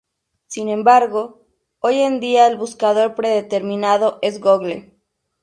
Sin embargo, hoy en día, el buscador predeterminado es Google.